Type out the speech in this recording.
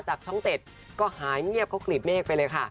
ช่อง๗ก็หายเงียบเขากลีบเมฆไปเลยค่ะ